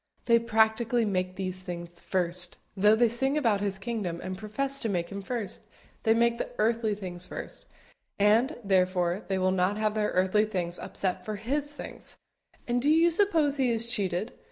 They practically make these things first, though they sing about His kingdom and profess to make Him first: they make the earthly things first, and, therefore, they will not have their earthly things upset for His things; and do you suppose He is cheated?